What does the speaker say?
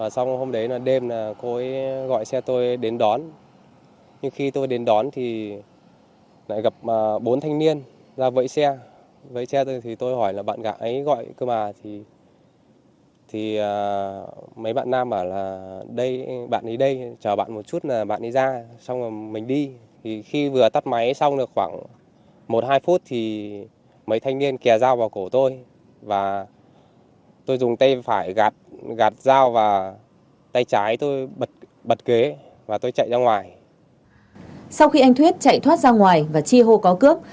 sau khi anh thuyết chạy thoát ra ngoài và chi hô có cướp